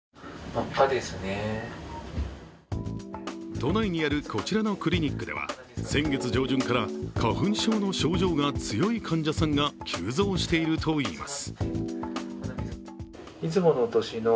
都内にあるこちらのクリニックでは先月上旬から花粉症の症状が強い患者さんが急増しているといいます。